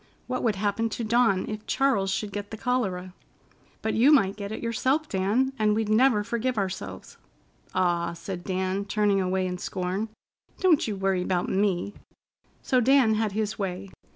What would happen to Dawn if Charles should get the cholera? "But you might get it yourself, Dan, and we'd never forgive ourselves." "Aw!" said Dan, turning away in scorn. "Don't you worry 'bout me." So Dan had his way.